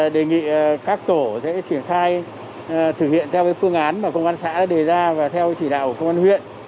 đề nghị các tổ sẽ triển khai thực hiện theo phương án mà công an xã đã đề ra và theo chỉ đạo của công an huyện